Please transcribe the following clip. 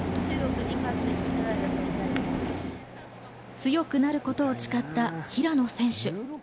強くなることを誓った平野選手。